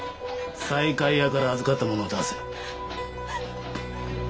西海屋から預かったものを出せ。